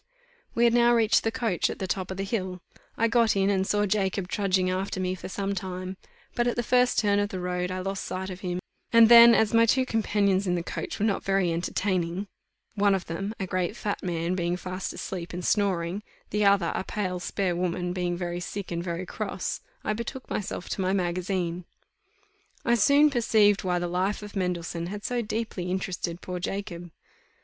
We had now reached the coach at the top of the hill; I got in, and saw Jacob trudging after me for some time; but, at the first turn of the road, I lost sight of him, and then, as my two companions in the coach were not very entertaining, one of them, a great fat man, being fast asleep and snoring, the other, a pale spare woman, being very sick and very cross, I betook myself to my magazine. I soon perceived why the life of Mendelssohn had so deeply interested poor Jacob.